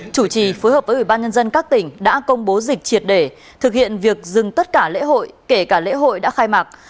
chủ trì phối hợp với ubnd các tỉnh đã công bố dịch triệt để thực hiện việc dừng tất cả lễ hội kể cả lễ hội đã khai mạc